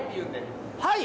「はい」？